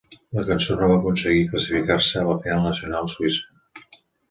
La cançó no va aconseguir classificar-se a la final nacional suïssa.